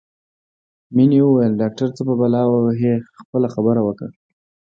مينې وویل ډاکټر څه په بلا وهې خپله خبره وکړه